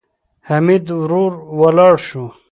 حميد ورو ولاړ شو.